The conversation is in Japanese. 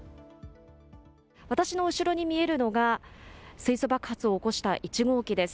私の後ろに見えるのが、水素爆発を起こした１号機です。